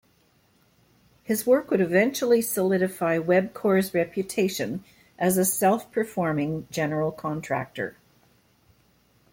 His work would eventually solidify Webcor's reputation as a self-performing general contractor.